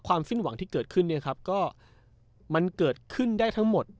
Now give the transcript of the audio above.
สิ้นหวังที่เกิดขึ้นเนี่ยครับก็มันเกิดขึ้นได้ทั้งหมด